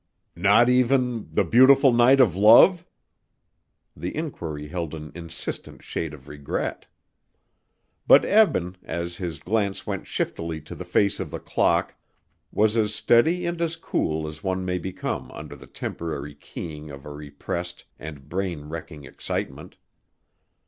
"Not even 'The Beautiful Night of Love'?" The inquiry held an insistent shade of regret. But Eben, as his glance went shiftily to the face of the clock, was as steady and as cool as one may become under the temporary keying of a repressed and brain wrecking excitement.